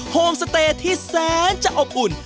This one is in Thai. โฮมสเตย์ที่แสนจะอบอุ่น